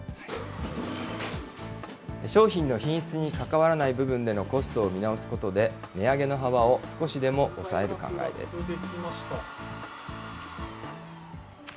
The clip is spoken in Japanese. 商品の品質に関わらない部分でのコストを見直すことで、値上げの幅を少しでも抑える考えです。